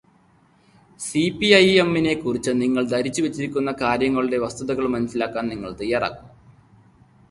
സിപിഐഎംനെ കുറിച്ച് നിങ്ങൾ ധരിച്ചു വെച്ചിരിക്കുന്ന കാര്യങ്ങളുടെ വസ്തുതകൾ മനസ്സിലാക്കാൻ നിങ്ങൾ തയ്യാറാകുമോ?